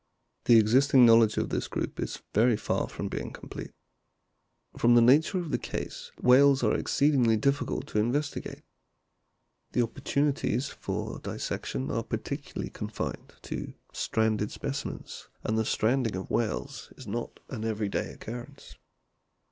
The existing knowledge of this group is very far from being complete. From the nature of the case whales are exceedingly difficult to investigate. The opportuni ties for dissection are practically confined to stranded specimens, and the stranding of whales is not an every day occurrence.